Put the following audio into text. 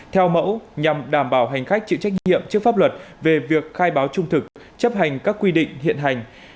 theo mẫu nhằm đảm bảo hành khách chịu trách nhiệm trước pháp luật về việc khai báo trung thực chấp hành các quy định hiện hành